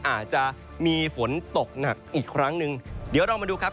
อาจจะมีฝนตกหนักอีกครั้งหนึ่งเดี๋ยวเรามาดูครับ